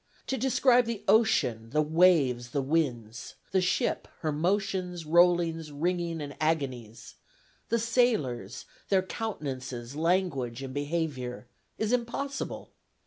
To describe the ocean, the waves, the winds; the ship, her motions, rollings, wringings, and agonies; the sailors, their countenances, language, and behavior, is impossible.